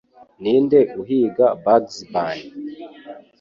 Ninde uhiga Bugs Bunny